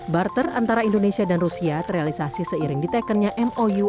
barter antara indonesia dan rusia terrealisasi seiring ditekennya mou